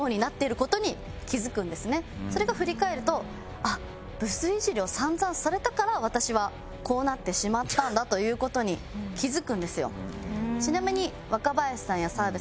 それが振り返るとあっブスいじりを散々されたから私はこうなってしまったんだという事に気付くんですよ。